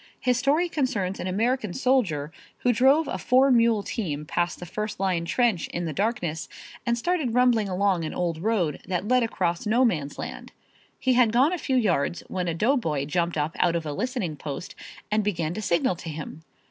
His story concerns an American soldier who drove a four mule team past the first line trench in the darkness and started rumbling along an old road that led across no man's land. He had gone a few yards when a doughboy jumped up out of a listening post and began to signal to him.